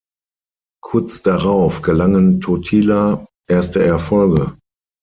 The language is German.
Kurz darauf gelangen Totila erste Erfolge.